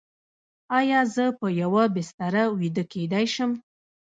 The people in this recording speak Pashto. ایا زه په یوه بستر ویده کیدی شم؟